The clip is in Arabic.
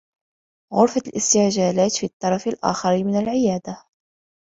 غرفة الاستعجالات في الطّرف الآخر من العيادة.